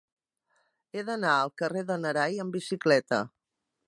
He d'anar al carrer de n'Arai amb bicicleta.